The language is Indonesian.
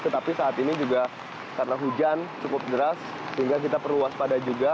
tetapi saat ini juga karena hujan cukup deras sehingga kita perlu waspada juga